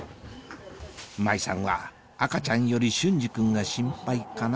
麻衣さんは赤ちゃんより隼司君が心配かな？